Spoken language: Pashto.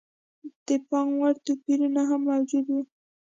د پاموړ توپیرونه هم موجود و.